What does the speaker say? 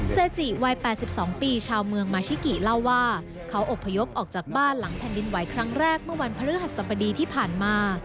เซจิวัย๘๒ปีชาวเมืองมาชิกิเล่าว่าเขาอบพยพออกจากบ้านหลังแผ่นดินไหวครั้งแรกเมื่อวันพฤหัสสบดีที่ผ่านมา